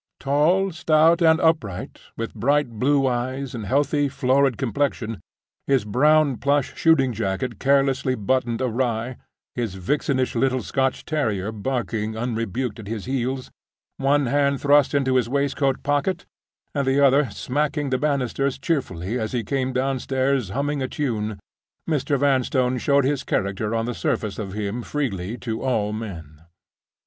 Tall, stout, and upright—with bright blue eyes, and healthy, florid complexion—his brown plush shooting jacket carelessly buttoned awry; his vixenish little Scotch terrier barking unrebuked at his heels; one hand thrust into his waistcoat pocket, and the other smacking the banisters cheerfully as he came downstairs humming a tune—Mr. Vanstone showed his character on the surface of him freely to all men.